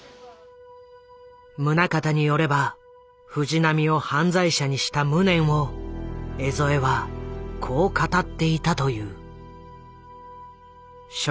宗像によれば藤波を犯罪者にした無念を江副はこう語っていたという。